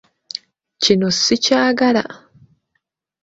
Kino sikyagala.